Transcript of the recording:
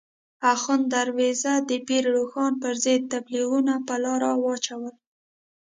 اخوند درویزه د پیر روښان پر ضد تبلیغونه په لاره واچول.